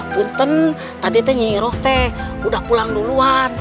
bukannya tadi nyi iraw tuh udah pulang duluan